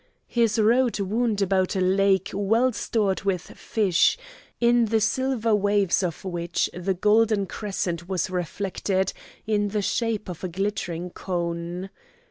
His road wound about a lake well stored with fish, in the silver waves of which the golden crescent was reflected in the shape of a glittering cone.